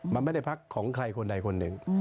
มันไม่ได้พักของใครคนใดคนหนึ่ง